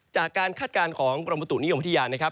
จากการคาดการณ์ของปรมประตุนิยมพฤทธิยานะครับ